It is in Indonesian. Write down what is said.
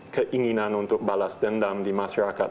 keinginan untuk balas dendam di masyarakat